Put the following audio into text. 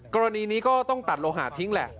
กรณีนี้ก็ต้องตัดโลหะทิ้งแหละ